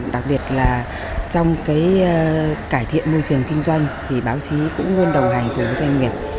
đặc biệt là trong cái cải thiện môi trường kinh doanh thì báo chí cũng luôn đồng hành cùng với doanh nghiệp